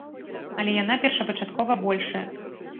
Але яна першапачаткова большая.